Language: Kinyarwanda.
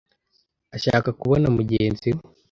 ashaka kubona mugenzi we